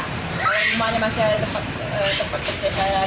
rumahnya masih ada tempat tempat yang agak tinggi